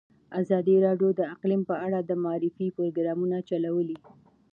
ازادي راډیو د اقلیم په اړه د معارفې پروګرامونه چلولي.